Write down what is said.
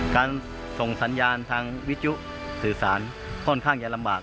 การส่งสัญญาณทางวิทยุสื่อสารค่อนข้างจะลำบาก